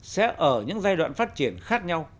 sẽ ở những giai đoạn phát triển khác nhau